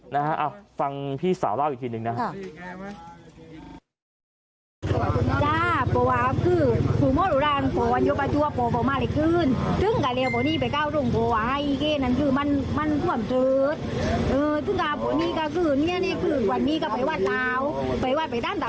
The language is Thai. นะฮะฟังพี่สาวเล่าอีกทีหนึ่งนะครับ